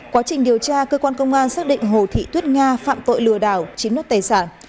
quá trình điều tra cơ quan công an xác định hồ thị tuyết nga phạm tội lừa đảo chiếm đất tài sản